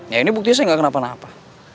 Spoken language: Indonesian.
ya ini buktinya saya gak kenapa